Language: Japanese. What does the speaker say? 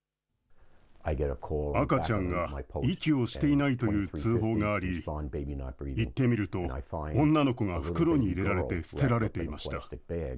赤ちゃんが息をしていないという通報があり、行ってみると、女の子が袋に入れられて捨てられていました。